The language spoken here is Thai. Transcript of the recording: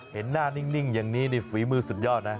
เห็นน่านิ่งยังนี้ได้ฝีมือสุดยอดนะ